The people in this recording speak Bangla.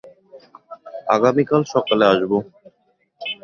আগামীকাল সকালে আসবো।